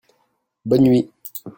Bonne nuit !